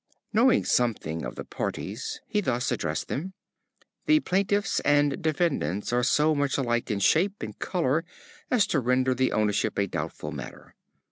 Knowing something of the parties, he thus addressed them: "The plaintiffs and defendants are so much alike in shape and color as to render the ownership a doubtful matter.